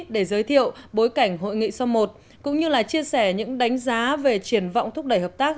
để giới thiệu bối cảnh hội nghị so một cũng như là chia sẻ những đánh giá về triển vọng thúc đẩy hợp tác